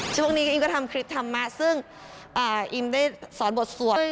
ช่วงนี้ก็อิมก็ทำคลิปธรรมะซึ่งอิมได้สอนบทสวด